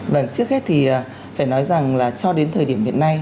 và trước hết thì phải nói rằng là cho đến thời điểm hiện nay